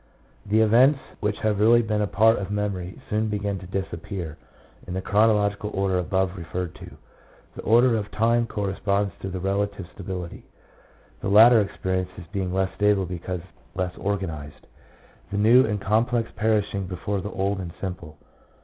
The events which have really been a part of memory soon begin to disappear in the chronological order above referred to. The order of time cor responds to the relative stability, the later experiences being less stable because less organized, the new and complex perishing before the old and simple.